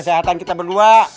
beni ketepikan satu satunya